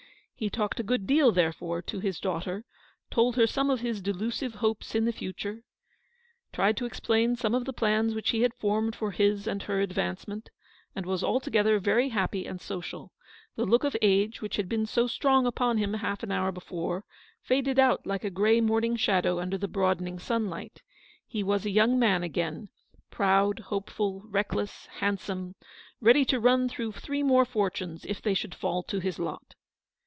He talked a good deal, therefore, to his daughter, told her some of his delusive hopes in the future, tried to explain some of the plans which he had formed for his and her advance ment, and was altogether very happy and social. The look of age, which had been so strong upon him half an hour before, faded out like a grey morning shadow under the broadening sunlight. He was a young man again; proud, hopeful, reckless ; handsome ; ready to run through three more fortunes, if they should fall to his lot.